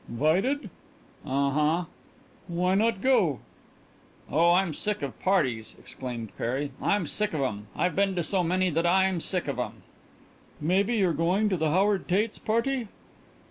"'Vited?" "Uh huh." "Why not go?" "Oh, I'm sick of parties," exclaimed Perry. "I'm sick of 'em. I've been to so many that I'm sick of 'em." "Maybe you're going to the Howard Tates' party?"